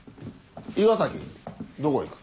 伊賀崎どこ行く。